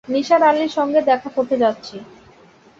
নিসার আলির সঙ্গে দেখা করতে যাচ্ছি।